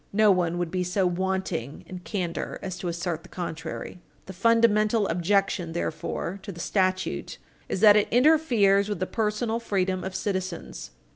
No one would be so wanting in candor a to assert the contrary. The fundamental objection, therefore, to the statute is that it interferes with the personal freedom of citizens.